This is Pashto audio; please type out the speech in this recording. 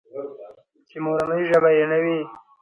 چې مورنۍ ژبه يې نه وي.